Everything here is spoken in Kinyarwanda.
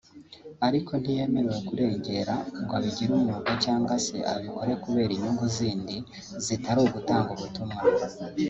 Ariko ntiyemerewe kurengera ngo abigire umwuga cyangwa se ngo abikore kubera inyungu zindi zitari ugutanga ubutumwa